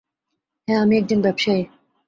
হ্যাঁ, আমি এক জন ব্যবসায়ী।